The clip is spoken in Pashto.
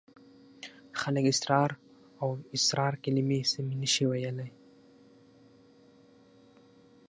خلک اسرار او اصرار کلمې سمې نشي ویلای.